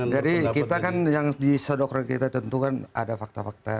jadi kita kan yang di sodokron kita tentukan ada fakta fakta